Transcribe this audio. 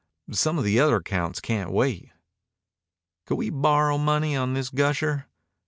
Some of the other accounts can wait." "Can't we borrow money on this gusher?"